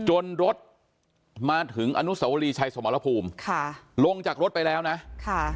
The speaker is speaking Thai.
รถมาถึงอนุสวรีชัยสมรภูมิค่ะลงจากรถไปแล้วนะค่ะ